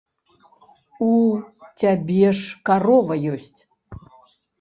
У цябе ж карова ёсць.